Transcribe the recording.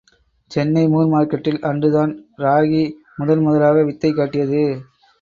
Chennai Moore மார்க்கெட்டில் அன்றுதான் ராகி முதல் முதலாக வித்தை காட்டியது.